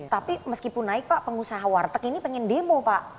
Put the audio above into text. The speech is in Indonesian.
tapi meskipun naik pak pengusaha warteg ini pengen demo pak